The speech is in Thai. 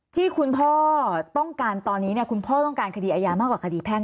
ที่คุณพ่อต้องการตอนนี้คุณพ่อต้องการคดีอายามากกว่าคดีแพ่ง